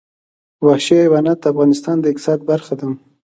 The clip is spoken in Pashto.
وحشي حیوانات د افغانستان د اقتصاد برخه ده.